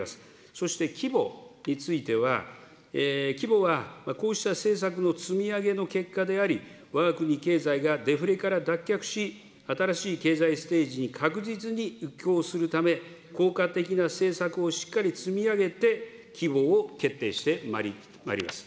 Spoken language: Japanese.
そして規模については、規模はこうした政策の積み上げの結果であり、わが国経済がデフレから脱却し、新しい経済ステージに確実に移行するため、効果的な政策をしっかり積み上げて、規模を決定してまいります。